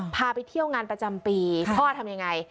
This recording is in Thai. พาไปเที่ยวงานประจำปีพ่อทำยังไง